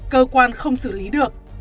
cơ quan không xử lý được